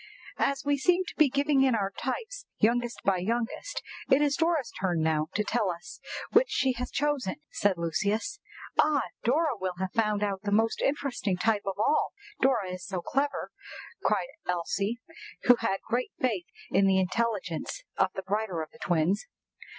"AS we seem to be giving in our types youngest by youngest, it is Dora's turn now to tell us which she has chosen," said Lucius. "Ah! Dora will have found out the most interesting type of all, Dora is so clever!" cried Elsie, who had great faith in the intelligence of the brighter of the twins.